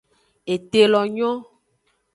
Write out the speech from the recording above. Ete lo nyo.